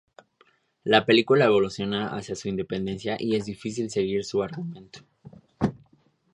La película evoluciona hacia su independencia y es difícil seguir su argumento.